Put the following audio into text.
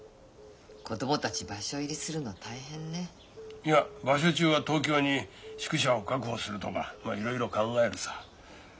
いや場所中は東京に宿舎を確保するとかまいろいろ考えるさ。